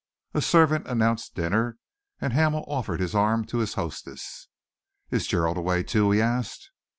A servant announced dinner, and Hamel offered his arm to his hostess. "Is Gerald away, too?" he asked.